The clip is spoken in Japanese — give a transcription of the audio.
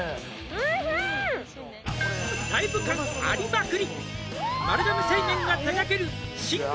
「ライブ感ありまくり」